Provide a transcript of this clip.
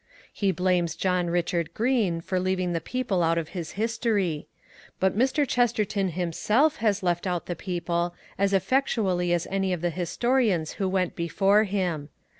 He blames John Richard Green for leaving the people out of his history; but Mr. Chesterton himself has left out the people as effectually as any of the historians who went before him.